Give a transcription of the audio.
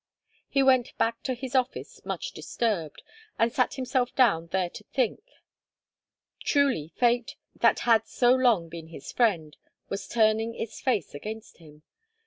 He went back to his office much disturbed, and sat himself down there to think. Truly Fate, that had so long been his friend, was turning its face against him.